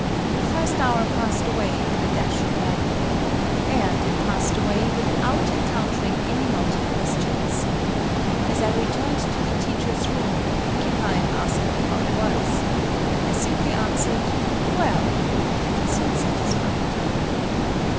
The first hour passed away in a dashing manner. And it passed away without encountering any knotty questions. As I returned to the teachers' room, Porcupine asked me how it was. I simply answered "well," and he seemed satisfied.